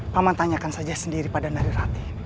paman tanyakan saja sendiri pada narirati